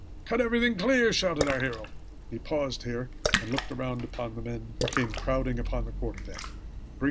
Cut everything clear!" shouted our hero. He paused here, and looked around upon the men who came crowding upon the quarter deck.